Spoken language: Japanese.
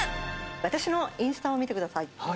私のインスタを見てください。